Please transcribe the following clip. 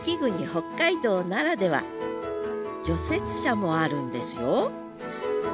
北海道ならでは除雪車もあるんですよ。